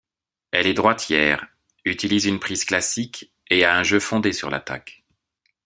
Elle est droitière, utilise une prise classique et a un jeu fondé sur l'attaque.